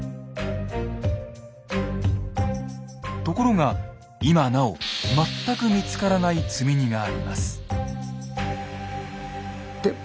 ところが今なお全く見つからない積み荷があります。